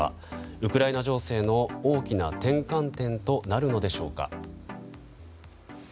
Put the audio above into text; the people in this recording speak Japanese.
ウクライナ情勢の大きな転換点となるのでしょうか。